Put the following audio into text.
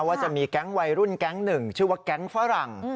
ว่าจะมีแก๊งวัยรุ่นแก๊งหนึ่งชื่อว่าแก๊งฝรั่ง